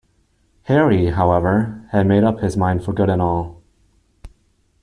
Harry, however, had made up his mind for good and all.